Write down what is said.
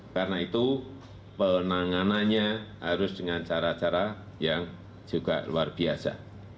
karena itu penanganannya harus dengan cara cara yang juga luar biasa